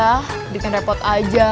aditnya repot saja